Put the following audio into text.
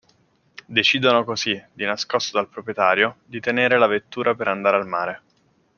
Decidono così, di nascosto dal proprietario, di tenere la vettura per andare al mare.